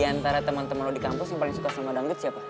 di antara temen temen lo di kampus yang paling suka sama dangdut siapa